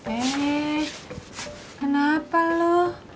eh kenapa lo